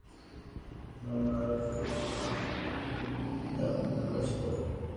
তাঁহার স্বদেশবাসী বিদ্বান রাষ্ট্রনীতি-বিশারদ পণ্ডিতমণ্ডলী তাঁহাকে যেমন ভালবাসিতেন, নিরক্ষর অজ্ঞেরাও তাঁহাকে তেমনি ভালবাসিত।